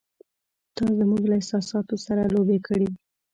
“تا زموږ له احساساتو سره لوبې کړې!